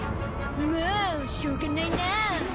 もうしょうがないな。